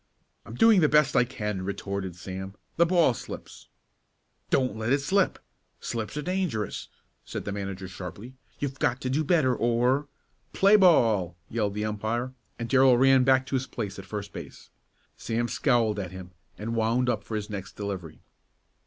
"I'm doing the best I can," retorted Sam. "The ball slips." "Don't let it slip slips are dangerous," said the manager sharply. "You've got to do better or " "Play ball!" yelled the umpire and Darrell ran back to his place at first base. Sam scowled at him, and then wound up for his next delivery.